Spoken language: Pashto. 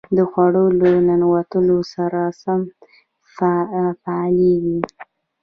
د خوړو له ننوتلو سره سم فعالېږي.